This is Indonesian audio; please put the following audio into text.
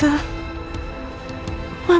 ya tuhan elsa